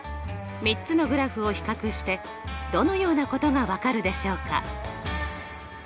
３つのグラフを比較してどのようなことが分かるでしょうか？